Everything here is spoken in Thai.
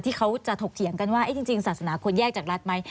ที่เขาจะถกเถียงกันว่าจริงศาสนาควรแยกจากรัฐไหม